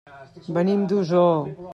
Venim d'Osor.